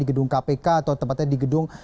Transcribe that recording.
gedung kpk atau tempatnya di gedung